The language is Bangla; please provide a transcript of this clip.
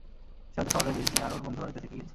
সে হয়তো শহরে গিয়েছে আর ওর বন্ধুর বাড়িতে থেকে গিয়েছে।